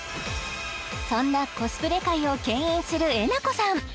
そんなコスプレ界を牽引するえなこさん